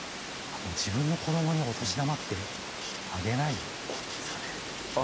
でも自分の子どもにお年玉ってあげないですよねあっ